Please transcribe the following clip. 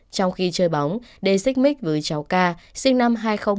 trong khi chơi bóng đề xích mít với cháu k sinh năm hai nghìn một mươi hai